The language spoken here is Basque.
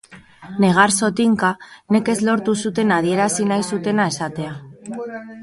Negar zotinka, nekez lortu zuten adierazi nahi zutena esatea.